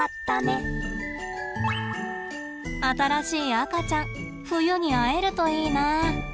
新しい赤ちゃん冬に会えるといいな。